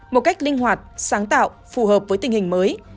một cách linh hoạt sáng tạo phù hợp với tình hình mới